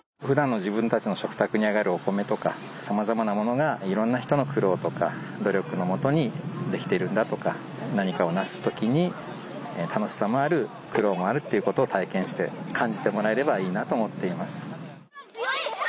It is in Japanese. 普段の自分たちの食卓にあがるお米とか様々なものが色んな人の苦労とか努力のもとにできているんだとか何かを成す時に楽しさもある苦労もあるという事を体験して感じてもらえればいいなと思っています。